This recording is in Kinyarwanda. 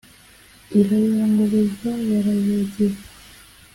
Irayongobeza Barayogeza